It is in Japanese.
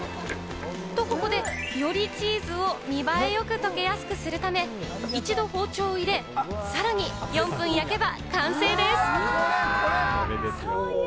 ここでよりチーズを見栄えよく溶けやすくするため、一度包丁を入れ、さらに４分焼けば完成です。